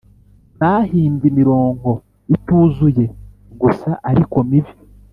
bahimbye imirongo ituzuye gusa ariko mibi